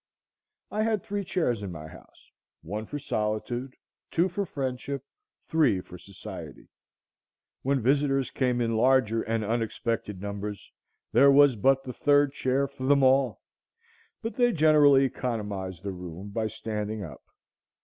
I had three chairs in my house; one for solitude, two for friendship, three for society. When visitors came in larger and unexpected numbers there was but the third chair for them all, but they generally economized the room by standing up.